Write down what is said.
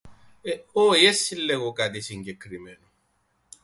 Όι εν συλλέγω κάτι συγκεκριμένον